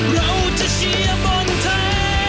เราจะเชียร์บนไทย